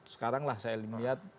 sekarang lah saya lihat